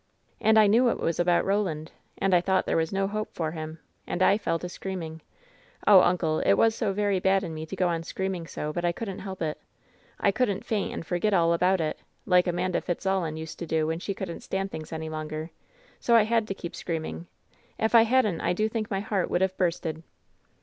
And I knew it was about Eoland, and I thought there was no hope for him, and I fell to screaming. Oh, imcle, it was so very bad in me to go on screaming so, but I couldn't help it. I couldn't faint and forget all about it, like Amanda Fitzallen used to do when she couldn't stand things any longer, so I had to keep screaming. If I hadn't I do think my heart would have bursted